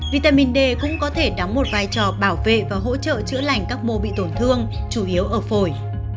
vitamin d cũng có thể đóng một vai trò bảo vệ và hỗ trợ chữa lành các mô bị tổn thương chủ yếu ở phổi